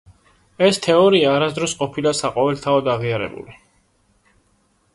ეს თეორია არასდროს ყოფილა საყოველთაოდ აღიარებული.